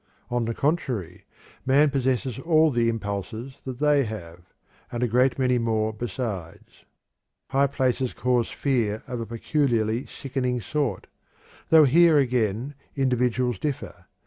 On the contrary, man possesses all the impulses that they have, and a great many more besides. High places cause fear of a peculiarly sickening sort, though here again individuals differ.